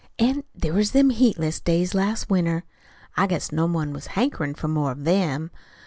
An' there was them heatless days last winter I guess no one was hankerin' for more of THEM.